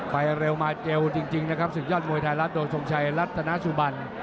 ไปเร็วมาเจลจริงนะครับศึกยอดมวยไทยรัฐโดยทรงชัยรัฐนาสุบัน